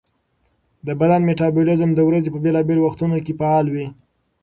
د بدن میټابولیزم د ورځې په بېلابېلو وختونو کې فعال وي.